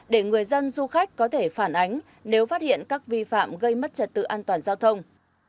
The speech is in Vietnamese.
để người dân du khách có thể phản ánh nếu phát hiện các vi phạm gây mất trật tự an toàn giao thông